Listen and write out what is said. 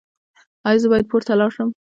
ایا زه باید پورته لاړ شم؟